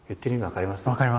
分かります。